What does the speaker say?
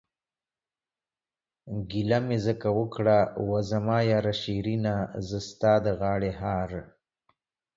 گيله مې ځکه اوکړه وا زما ياره شيرينه، زه ستا د غاړې هار...